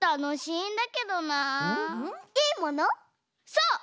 そう！